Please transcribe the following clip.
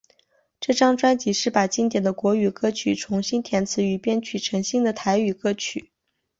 这张专辑是把经典的国语歌曲重新填词与编曲成新的台语歌曲。